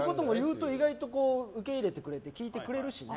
でも、意外と受け入れてくれて聞いてくれるしね。